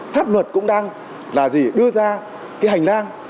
pháp luật cũng đang là gì đưa ra cái hành lang